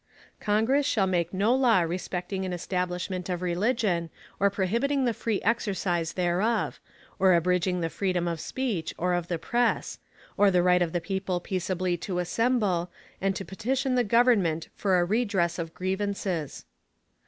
Congress shall make no law respecting an establishment of religion, or prohibiting the free exercise thereof; or abridging the freedom of speech, or of the press; or the right of the people peaceably to assemble, and to petition the Government for a redress of grievances.